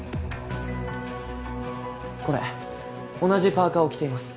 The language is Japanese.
これ同じパーカーを着ています